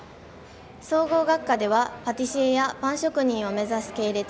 総合学科では、パティシエやパン職人を目指す系列。